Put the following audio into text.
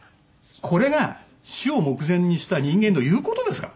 これが死を目前にした人間の言う事ですか？